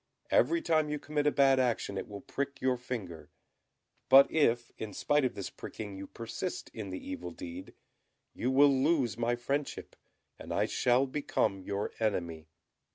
Every time you commit a bad action it will prick your finger; but if in spite of this pricking you persist in the evil deed, you will lose my friendship, and I shall become your enemy."